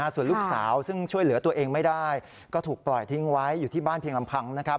ส่วนลูกสาวซึ่งช่วยเหลือตัวเองไม่ได้ก็ถูกปล่อยทิ้งไว้อยู่ที่บ้านเพียงลำพัง